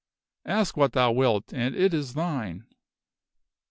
Ask what thou wilt and it is thine